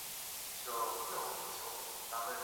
黑猩猩。